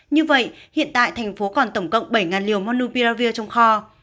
như vậy hiện tại tp hcm còn tổng cộng bảy liều monupiravir trong kho